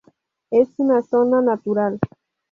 Es una zona natural.